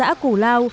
và các xã cửu lao